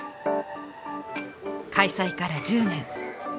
開催から１０年